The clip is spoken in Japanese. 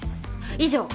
以上。